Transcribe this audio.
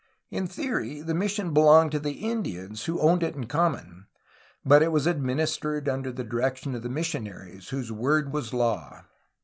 In theory the mission belonged to the Indians, who owned it in common, but it was administered under the direction of the missionaries, whose word was law.